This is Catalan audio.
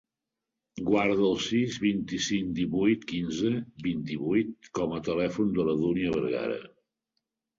Guarda el sis, vint-i-cinc, divuit, quinze, vint-i-vuit com a telèfon de la Dúnia Vergara.